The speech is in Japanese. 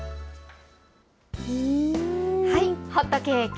はい、ホットケーキ。